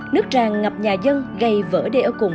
nước tràn ngập nhà dân gây vỡ đê ở cùng